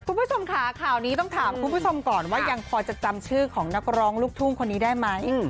คุณผู้ชมค่ะข่าวนี้ต้องถามคุณผู้ชมก่อนว่ายังพอจะจำชื่อของนักร้องลูกทุ่งคนนี้ได้ไหม